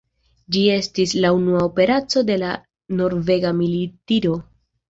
Ĝi estis la unua operaco de la norvega militiro.